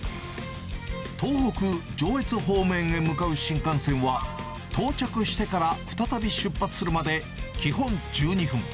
東北・上越方面へ向かう新幹線は、到着してから再び出発するまで基本１２分。